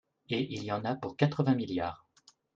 Et il y en a pour quatre-vingts milliards